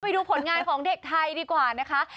ไปดูผลงานของเด็กไทยดีกว่านะคะ